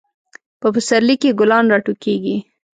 په پسرلی کې ګلان راټوکیږي.